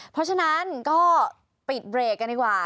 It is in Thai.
เพราะฉะนั้นก็ปิดเบรกกันดีกว่า